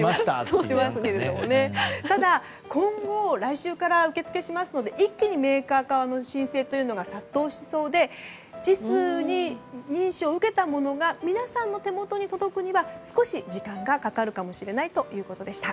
ただ、今後来週から受け付けしますので一気にメーカー側の申請が殺到しそうでＪＩＳ認証を受けたものが皆さんの手元に届くには少し時間がかかるかもしれないということでした。